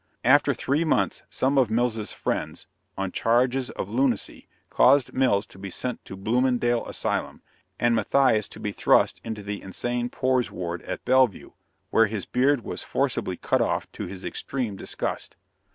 After three months, some of Mills' friends, on charges of lunacy, caused Mills to be sent to Bloomingdale Asylum, and Matthias to be thrust into the insane poor's ward at Bellevue, where his beard was forcibly cut off, to his extreme disgust.